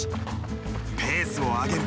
ペースを上げる。